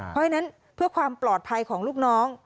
เพราะฉะนั้นเพื่อความปลอดภัยของลูกน้อง